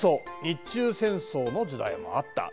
日中戦争の時代もあった。